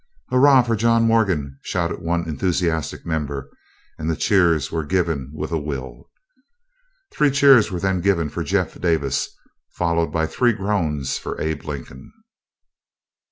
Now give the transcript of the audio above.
"Hurrah for John Morgan!" shouted one enthusiastic member, and the cheers were given with a will. Three cheers were then given for Jeff Davis, followed by three groans for Abe Lincoln.